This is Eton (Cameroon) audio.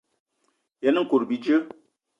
Yen nkout bíjé.